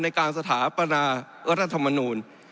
ในการสถาปนารัฐธรรมนูล